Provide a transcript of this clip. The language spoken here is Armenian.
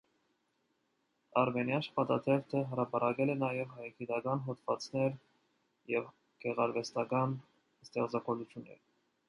«Արմենիա» շաբաթաթերթը հրապարակել է նաև հայագիտական հոդվածներ և գեղարվեստական ստեղծագործություններ։